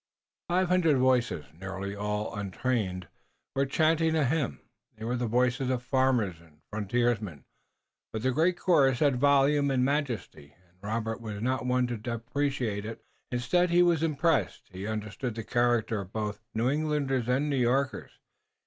Five hundred voices, nearly all untrained, were chanting a hymn. They were the voices of farmers and frontiersmen, but the great chorus had volume and majesty, and Robert was not one to depreciate them. Instead he was impressed. He understood the character of both New Englanders and New Yorkers.